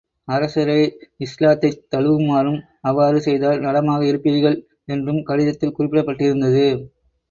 அரசரை இஸ்லாத்தைத் தழுவுமாறும், அவ்வாறு செய்தால் நலமாக இருப்பீர்கள் என்றும் கடிதத்தில் குறிப்பிடப்பட்டிருந்தது.